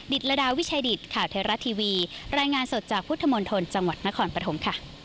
ตรดาวิชัยดิตข่าวไทยรัฐทีวีรายงานสดจากพุทธมนตรจังหวัดนครปฐมค่ะ